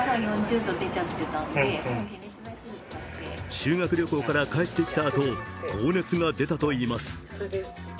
修学旅行から帰ってきたあと、高熱が出たといいます。